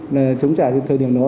là chống trả thời điểm đó